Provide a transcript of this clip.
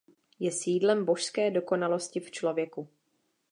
Je sídlem božské dokonalosti v člověku.